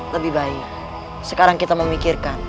lebih baik sekarang kita memikirkan